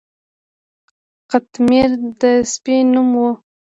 قطمیر د سپي نوم و.